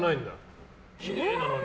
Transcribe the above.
きれいなのに。